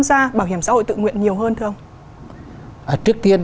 ra bảo hiểm xã hội tự nguyện nhiều hơn thưa ông trước tiên